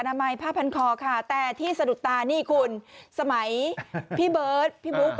นามัยผ้าพันคอค่ะแต่ที่สะดุดตานี่คุณสมัยพี่เบิร์ตพี่บุ๊ค